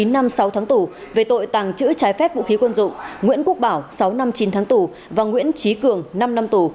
chín năm sáu tháng tù về tội tàng trữ trái phép vũ khí quân dụng nguyễn quốc bảo sáu năm chín tháng tù và nguyễn trí cường năm năm tù